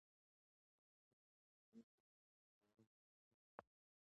ایا ته د کوم شاعر د زېږد په اړه پوهېږې؟